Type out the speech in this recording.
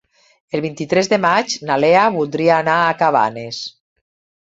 El vint-i-tres de maig na Lea voldria anar a Cabanes.